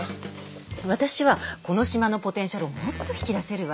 私はこの島のポテンシャルをもっと引き出せるわ。